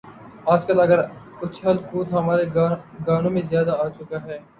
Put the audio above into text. آج کل اگر اچھل کود ہمارے گانوں میں زیادہ آ چکا ہے۔